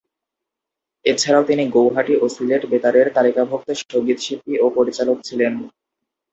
এছাড়াও তিনি গৌহাটি ও সিলেট বেতারের তালিকাভূক্ত সংগীত শিল্পী ও পরিচালক ছিলেন।